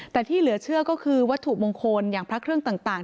แต่ที่เหลือเชื่อก็คือวัตถุมงคลอย่างพระเครื่องต่าง